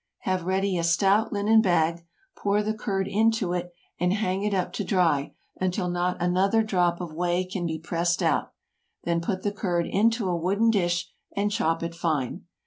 Have ready a stout linen bag, pour the curd into it, and hang it up to dry until not another drop of whey can be pressed out; then put the curd into a wooden dish, and chop it fine.